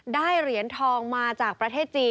เหรียญทองมาจากประเทศจีน